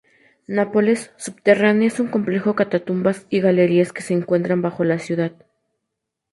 Nápoles subterránea es un complejo catacumbas y galerías que se encuentran bajo la ciudad.